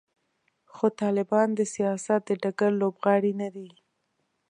خو طالبان د سیاست د ډګر لوبغاړي نه دي.